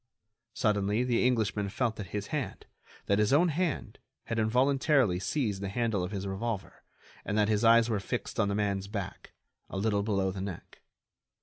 Suddenly the Englishman felt that his hand—that his own hand had involuntarily seized the handle of his revolver, and that his eyes were fixed on the man's back, a little below the neck.